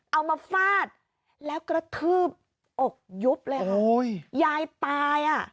เอามาฟาดแล้วกระทืบอกยุบเลยยายตาย